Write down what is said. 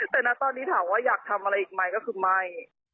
แต่นะตอนนี้ถามว่าอยากทำอะไรอีกไหมก็คือไม่